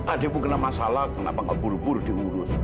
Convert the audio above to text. adikmu kena masalah kenapa nggak buru buru diurus